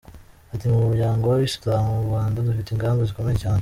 Ati “Mu muryango w’Abayisilamu mu Rwanda dufite ingamba zikomeye cyane.